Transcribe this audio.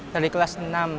dari kelas enam